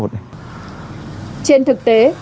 trên thực tế